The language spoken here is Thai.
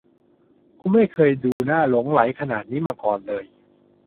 คุณไม่เคยดูน่าหลงใหลขนาดนี้มาก่อนเลย